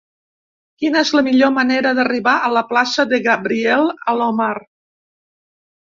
Quina és la millor manera d'arribar a la plaça de Gabriel Alomar?